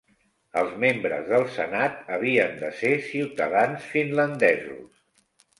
Els membres del senat havien de ser ciutadans finlandesos.